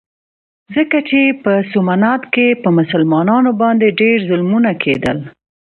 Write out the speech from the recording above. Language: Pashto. ځکه چې په سومنات کې په مسلمانانو باندې ډېر ظلمونه کېدل.